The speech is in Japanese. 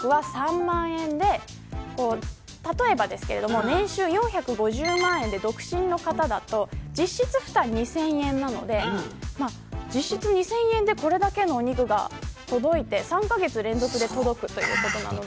例えば年収４５０万円で独身の方だと実質負担２０００円なので実質２０００円でこれだけのお肉が届いて３カ月連続で届くということなので。